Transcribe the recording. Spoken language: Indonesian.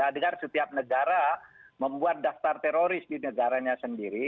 dengan setiap negara membuat daftar teroris di negaranya sendiri